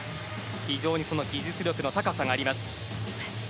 非常に技術力の高さがあります。